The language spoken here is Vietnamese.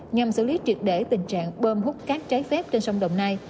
nhằm xử lý triệt để tình trạng bơm hút cát trái phép trên sông đồng nai